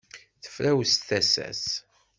Tefrawes tasa-s.